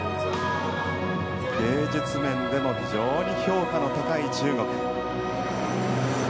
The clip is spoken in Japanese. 芸術面でも非常に評価の高い中国。